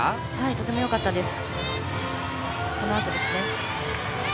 とてもよかったです。